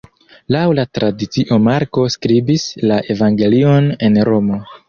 Laŭ la tradicio Marko skribis la evangelion en Romo.